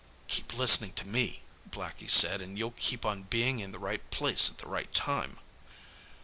"Keep listenin' to me," Blackie said, "an' you'll keep on bein' in the right place at the right time."